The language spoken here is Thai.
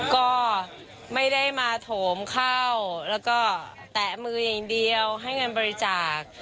ก็ไม่ได้มาโถมเข้าแล้วก็แตะมืออย่างเดียวให้เงินบริจาค